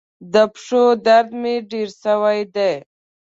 د پښو درد مي ډیر سوی دی.